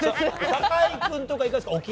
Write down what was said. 酒井君とか、いかがですか。